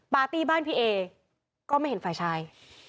ปาร์ตี้บ้านพี่เอก็ไม่เห็นฝ่ายชาย